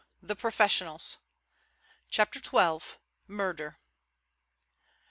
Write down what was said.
THE PROFESSIONALS CHAPTER XII. MURDER!